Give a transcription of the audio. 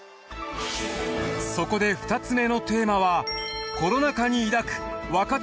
そこで２つ目のテーマは。